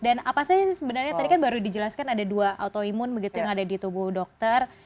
dan apa sih sebenarnya tadi kan baru dijelaskan ada dua autoimun begitu yang ada di tubuh dokter